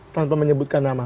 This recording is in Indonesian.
tanpa menyebutkan nama